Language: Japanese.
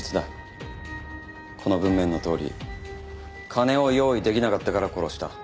この文面のとおり金を用意できなかったから殺した。